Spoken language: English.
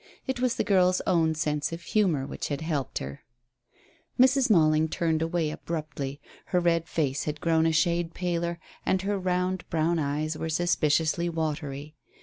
It was the girl's own sense of humour which had helped her. Mrs. Malling turned away abruptly. Her red face had grown a shade paler, and her round, brown eyes were suspiciously watery.